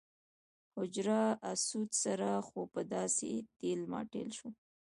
حجر اسود سره خو به داسې ټېل ماټېل شو.